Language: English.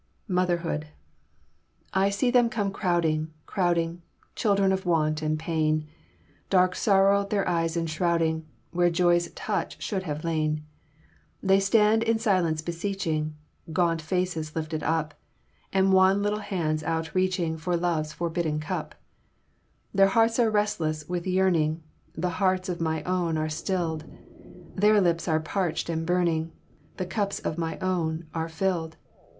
MOTHERHOOD I see them come crowding, crowding, Children of want and pain, Dark sorrow their eyes enshrouding, Where joy's touch should have lain. They stand in silence beseeching, Gaunt faces lifted up, And wan little hands outreaching For Love's forbidden cup. Their hearts are restless with yearning, The hearts of my own are stilled, Their lips are parched and burning, The cups of my own are filled!